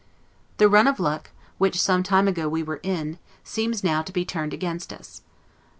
The run of luck, which some time ago we were in, seems now to be turned against us.